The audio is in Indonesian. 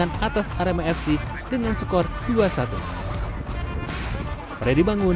dan atas arema fc dengan skor dua satu